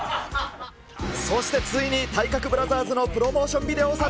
そしてついに体格ブラザーズのプロモーションビデオ